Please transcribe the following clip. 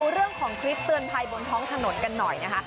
เรื่องของคลิปเตือนภัยบนท้องถนนกันหน่อยนะคะ